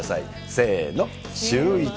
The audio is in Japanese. せーの、シューイチ。